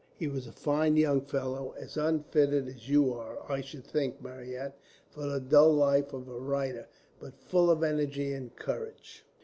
He was a fine young fellow; as unfitted as you are, I should think, Marryat, for the dull life of a writer, but full of energy and courage.